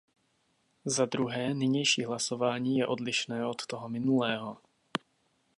Zadruhé, nynější hlasování je odlišné od toho minulého.